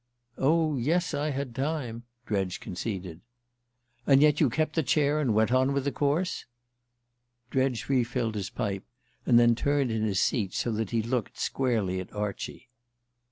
"Oh, yes I had time," Dredge conceded. "And yet you kept the chair and went on with the course?" Dredge refilled his pipe, and then turned in his seat so that he looked squarely at Archie.